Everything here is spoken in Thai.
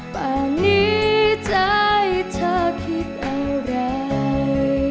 ป่านนี้ใจเธอคิดอะไร